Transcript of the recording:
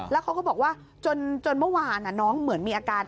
แล้วเขาก็บอกว่าจนเมื่อวานน้องเหมือนมีอาการ